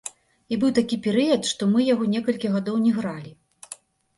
І быў такі перыяд, што мы яго некалькі гадоў не гралі.